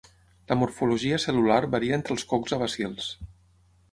La morfologia cel·lular varia entre els cocs a bacils.